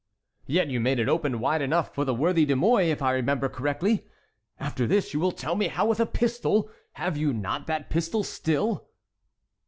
"Yet you made it open wide enough for the worthy De Mouy, if I remember correctly. After this you will tell me how with a pistol—have you not that pistol still?"